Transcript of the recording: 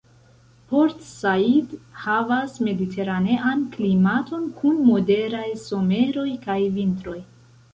Port Said havas mediteranean klimaton kun moderaj someroj kaj vintroj.